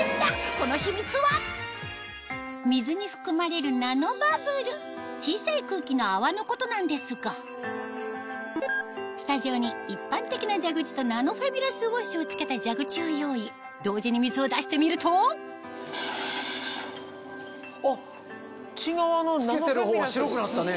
この秘密は小さい空気の泡のことなんですがスタジオに一般的な蛇口とナノフェミラスウォッシュを付けた蛇口を用意同時に水を出してみると付けてるほうは白くなったね。